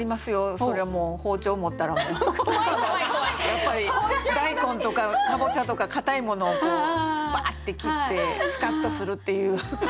やっぱり大根とかかぼちゃとかかたいものをバッて切ってスカッとするっていう。